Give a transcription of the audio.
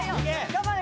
・頑張れ！